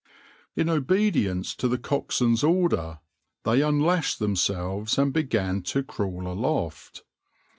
\par In obedience to the coxswain's order, they unlashed themselves and began to crawl aloft.